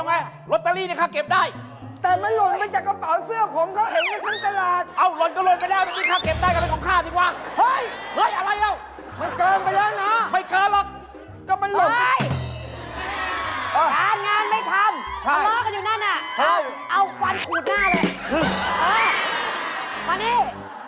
มามานี่นี่เดี๋ยวอยากรู้ว่าเป็นของใครนะมานี่ถามยายบ้าบินดูเลย